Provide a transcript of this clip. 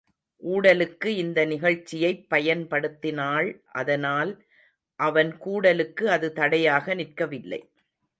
ஊடலுக்கு இந்த நிகழ்ச்சியைப் பயன்படுத்தினாள் அதனால் அவன் கூடலுக்கு அது தடையாக நிற்கவில்லை.